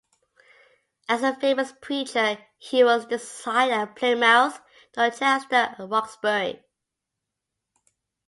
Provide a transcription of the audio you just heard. As a famous preacher "he was desired at Plimouth, Dorchester, and Roxbury".